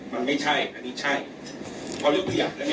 มันไม่ใช่อันนี้ใช่